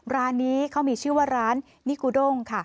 ร้านนี้เขามีชื่อว่าร้านนิกูด้งค่ะ